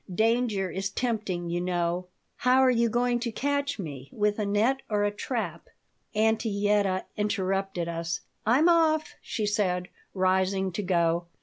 "Danger is tempting, you know. How are you going to catch me with a net or a trap?" Auntie Yetta interrupted us. "I'm off," she said, rising to go.